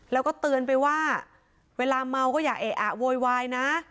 แล้วก็เตือนไปว่าเวลาเมาก็อย่าเอะอะโวยวายนะ